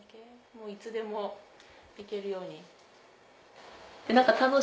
いつでも行けるように。